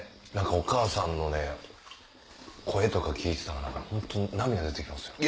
おかあさんの声とか聞いてたら本当に涙出て来ますよ。